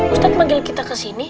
ustad manggil kita kesini